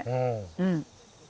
うん。